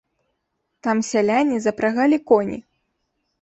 Там сяляне запрагалі коні.